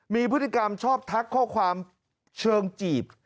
มีพฤติกรรมชอบทักข้อความเชิงจีบ